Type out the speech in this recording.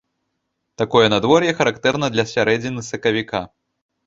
Такое надвор'е характэрна для сярэдзіны сакавіка.